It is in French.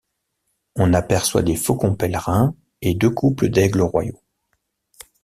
On aperçoit des faucons pèlerins, et deux couples d'aigles royaux.